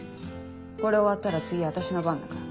これ終わったら次私の番だから。